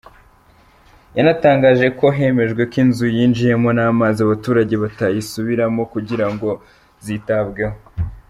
Yanatangaje ko hemejwe ko inzu zinjiyemo n’amazi abaturage batazisubiramo kugira ngo zitabagwaho.